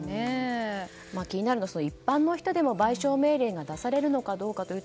気になるのは一般の人でも賠償命令が出されるのか。